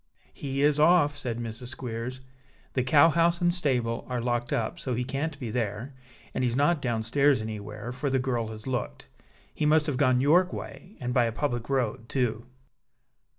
"He is off," said Mrs. Squeers. "The cow house and stable are locked up, so he can't be there; and he's not down stairs anywhere, for the girl has looked. He must have gone York way, and by a public road, too."